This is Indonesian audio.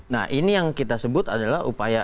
nah ini yang kita sebut adalah upaya